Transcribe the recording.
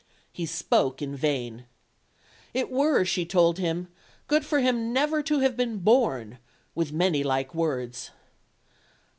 He spoke in vain. It were, she told him, good for him never to have been born, "with many like words."